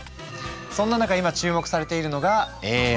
そんな中今注目されているのがＡＩ。